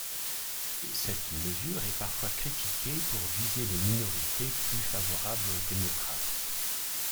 Cette mesure est parfois critiquée pour viser les minorités, plus favorables aux démocrates.